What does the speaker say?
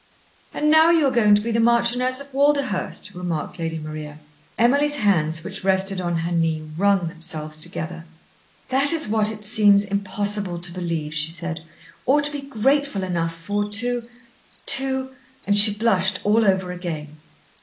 "And now you are going to be the Marchioness of Walderhurst," remarked Lady Maria. Emily's hands, which rested on her knee, wrung themselves together. "That is what it seems impossible to believe," she said, "or to be grateful enough for to to " and she blushed all over again.